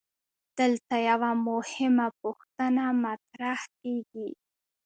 دلته یوه مهمه پوښتنه مطرح کیږي.